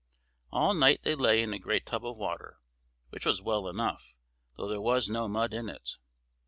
All night they lay in a great tub of water, which was well enough, though there was no mud in it.